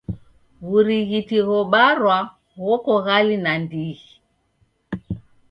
W'urighiti ghobarwa ghoko gali nandighi.